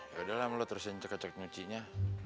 ya udah lah lo terus cek cek nuci nya